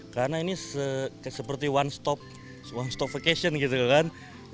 karena ini seperti one stop vacation gitu kan